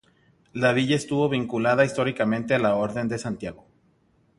La villa estuvo vinculada históricamente a la Orden de Santiago.